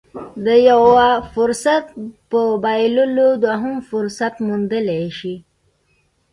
د يوه فرصت په بايللو دوهم فرصت موندلی شي.